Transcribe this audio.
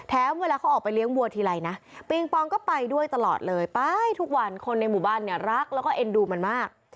เวลาเขาออกไปเลี้ยงวัวทีไรนะปิงปองก็ไปด้วยตลอดเลยไปทุกวันคนในหมู่บ้านเนี่ยรักแล้วก็เอ็นดูมันมาก